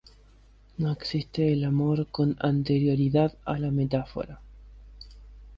No existe el amor con anterioridad a la metáfora.